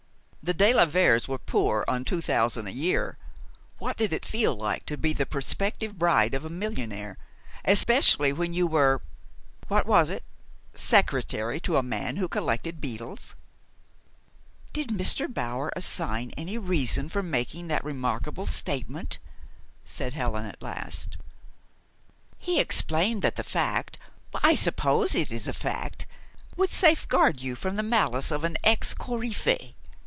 The de la Veres were poor on two thousand a year. What did it feel like to be the prospective bride of a millionaire, especially when you were what was it? secretary to a man who collected beetles! "Did Mr. Bower assign any reason for making that remarkable statement?" said Helen at last. "He explained that the fact I suppose it is a fact would safeguard you from the malice of an ex coryphée.